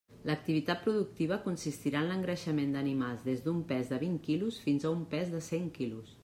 L'activitat productiva consistirà en l'engreixament d'animals des d'un pes de vint quilos fins a un pes de cent quilos.